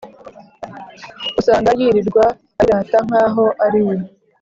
usanga yirirwa ayirata nkaho ariwe